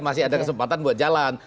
masih ada kesempatan buat jalan